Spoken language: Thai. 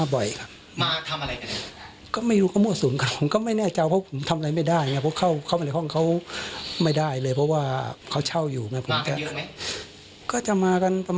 ปกติห้องนี้เพื่อนมาบ่อยไหมมาบ่อยครับ